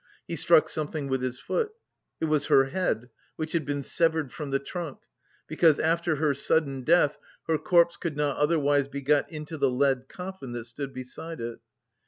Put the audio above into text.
He struck something with his foot; it was her head, which had been severed from the trunk, because after her sudden death her corpse could not otherwise be got into the lead coffin that stood beside it.